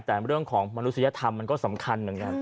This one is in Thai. แต่เรื่องของมนุษยธรรมมันก็สำคัญเหมือนกัน